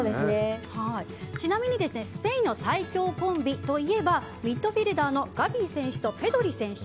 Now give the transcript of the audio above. ちなみにスペインの最強コンビといえばミッドフィールダーのガヴィ選手とペドリ選手。